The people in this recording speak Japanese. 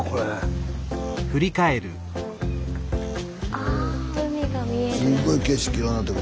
あ海が見える。